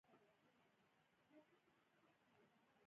زه وینم چې زموږ شرکت له ستونزو سره مخ دی